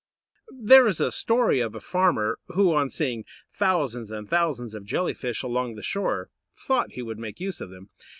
There is a story of a farmer who, on seeing thousands and thousands of Jelly fish along the shore, thought he would make use of them.